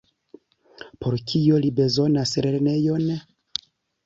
Por kio li bezonas lernejon?